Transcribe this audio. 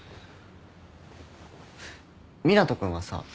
湊斗君はさ。